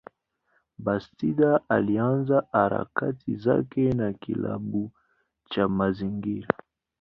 Bastida alianza harakati zake na kilabu cha mazingira.